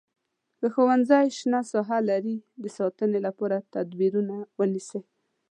که ښوونځی شنه ساحه لري د ساتنې لپاره تدبیرونه ونیسئ.